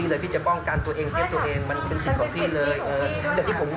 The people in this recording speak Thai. แล้วผมก็งงเหมือนกันค่ะว่าคุณบอกว่าจะปอม